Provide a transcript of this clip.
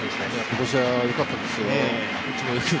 今年は良かったですよ。